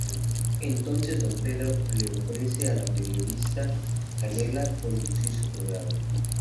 Entonces don Pedro le ofrece a la periodista Canela conducir su programa.